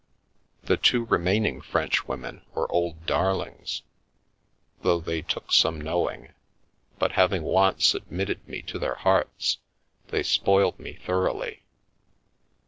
The two remaining French women were old darlings, though they took some knowing, but having once admitted me to their hearts, they spoiled me thoroughly.